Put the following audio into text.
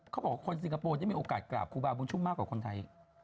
เขาบอกว่าคนสิงคโปร์ได้มีโอกาสกราบครูบาบุญชุ่มมากกว่าคนไทย